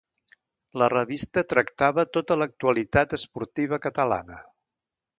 La revista tractava tota l'actualitat esportiva catalana.